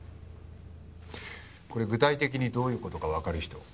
これ具体的にどういう事かわかる人？